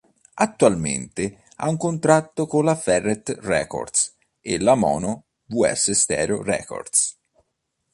Attualmente ha un contratto con la Ferret Records e la Mono Vs Stereo Records.